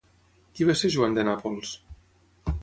Qui va ser Joan de Nàpols?